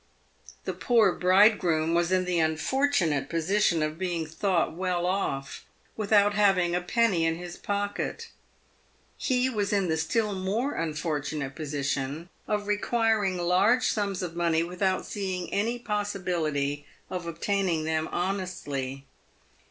The poor bridegroom was in the unfortunate position of being thought well off, without having a penny in his pocket. He was in the still more unfortunate position of requiring large sums of money without seeing any possibility of obtaining them honestly.